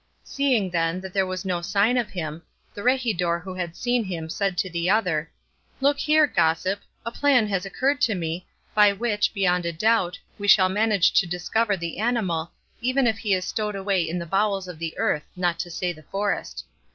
Seeing, then, that there was no sign of him, the regidor who had seen him said to the other, 'Look here, gossip; a plan has occurred to me, by which, beyond a doubt, we shall manage to discover the animal, even if he is stowed away in the bowels of the earth, not to say the forest.